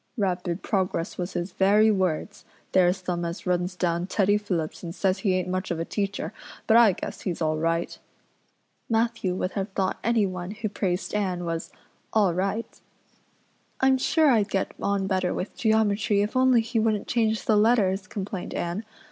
'Rapid progress' was his very words. There's them as runs down Teddy Phillips and says he ain't much of a teacher, but I guess he's all right." Matthew would have thought anyone who praised Anne was "all right." "I'm sure I'd get on better with geometry if only he wouldn't change the letters," complained Anne.